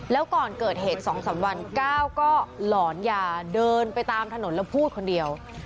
แล้วก่อนเกิดเหตุ๒๓วันก้าวก็หลอนยาเดินไปตามถนนแล้วพูดคนเดียว